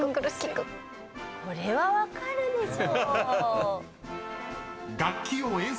これは分かるでしょ。